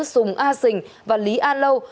sùng a sình và lý an lâu